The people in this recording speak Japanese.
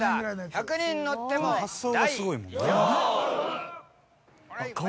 １００人乗っても大丈夫！